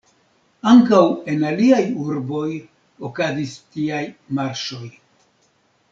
Ankaŭ en aliaj urboj okazis tiaj marŝoj.